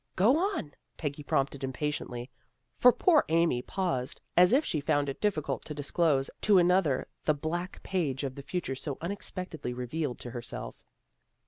"Go on! " Peggy prompted impatiently, for poor Amy paused, as if she found it difficult to disclose to another the black page of the future so unexpectedly revealed to herself.